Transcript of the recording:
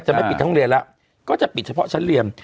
ไม่ปิดทั้งเรียนแล้วก็จะปิดเฉพาะชั้นเรียน